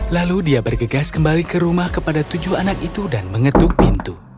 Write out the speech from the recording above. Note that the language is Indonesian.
lalu dia bergegas kembali ke rumah kepada tujuh anak itu dan mengetuk pintu